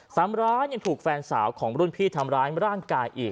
ซ้ำร้ายยังถูกแฟนสาวของรุ่นพี่ทำร้ายร่างกายอีก